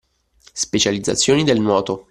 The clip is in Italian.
Specializzazioni del nuoto